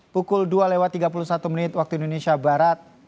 pukul dua tiga puluh satu menit waktu indonesia barat